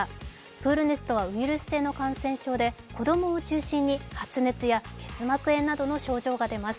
プール熱とはウイルス性の感染症で子供を中心に、発熱や結膜炎などの症状が出ます。